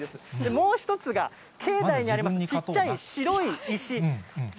もう一つが境内にあります、ちっちゃい白い石。